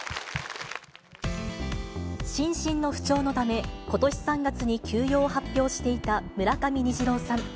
心身の不調のため、ことし３月に休養を発表していた村上虹郎さん。